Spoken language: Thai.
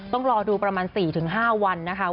ต้องรอดูประมาณ๔๕วันนะคะ